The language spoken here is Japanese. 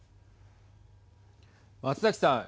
松崎さん